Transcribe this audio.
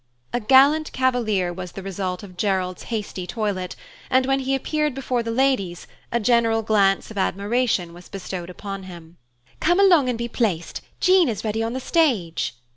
A gallant cavalier was the result of Gerald's hasty toilet, and when he appeared before the ladies a general glance of admiration was bestowed upon him. "Come along and be placed; Jean is ready on the stage."